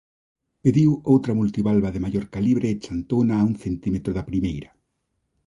Pediu outra multivalva de maior calibre e chantouna a un centímetro da primeira.